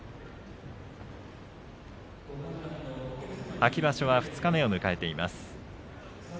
秋場所は二日目を迎えています。